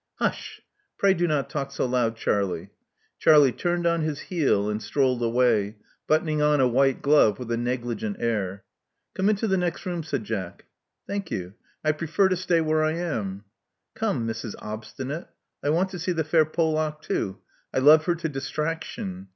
Hush. Pray do not talk so loud, Charlie." Charlie turned on his heel, and strolled away, button ing on a white glove with a negligent air. "Come into the next room," said Jack. Thank you. I prefer to stay where lam." Come, Mrs. Obstinate. I want to see the fair Polack too: I love her to distraction.